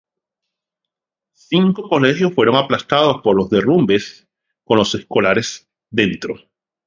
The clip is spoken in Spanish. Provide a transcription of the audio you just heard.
Cinco colegios fueron aplastados por los derrumbes con los escolares dentro.